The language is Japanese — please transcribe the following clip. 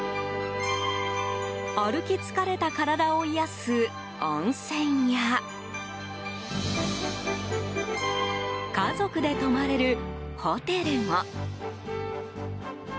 歩き疲れた体を癒やす温泉や家族で泊まれるホテルも。